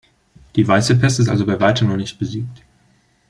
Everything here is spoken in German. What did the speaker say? Die weiße Pest ist also bei weitem noch nicht besiegt.